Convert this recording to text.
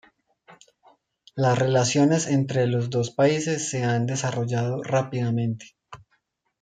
Las relaciones entre los dos países se han desarrollado rápidamente.